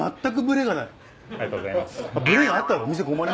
ありがとうございます。